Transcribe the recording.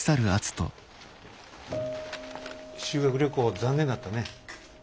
修学旅行残念だったね。